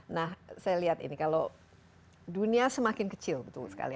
nah saya lihat ini kalau dunia semakin kecil betul sekali